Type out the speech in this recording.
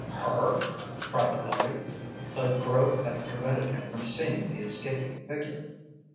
"Her?" cried Larry. The grove had prevented him from seeing the escaping figure.